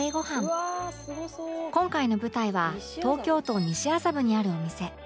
今回の舞台は東京都西麻布にあるお店